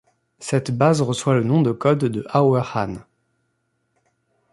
Cette base reçoit le nom de code de Auerhahn.